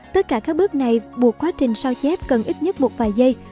tất cả các bước này buộc quá trình sao chép cần ít nhất một vài giây